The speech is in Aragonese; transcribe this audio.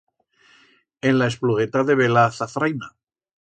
En la esplugueta de bela azafraina.